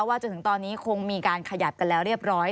จนถึงตอนนี้คงมีการขยับกันแล้วเรียบร้อย